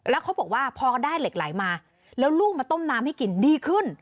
แล้วเขาบอกว่าพอได้เหล็กไหลมาแล้วลูกมาต้มน้ำให้กินดีขึ้น